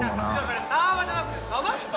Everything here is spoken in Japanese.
それサーバーじゃなくて鯖っすよ！